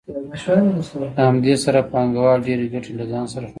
په همدې سره پانګوال ډېرې ګټې له ځان سره خوندي کوي